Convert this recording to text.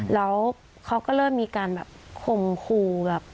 แล้วเขาก็เริ่มมีการแบบคมคู